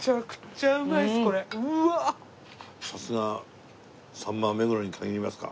さすがさんまは目黒に限りますか。